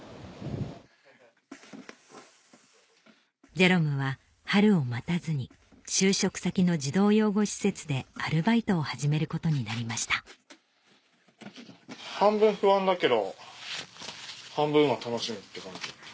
ジェロムは春を待たずに就職先の児童養護施設でアルバイトを始めることになりました半分不安だけど半分は楽しみって感じ。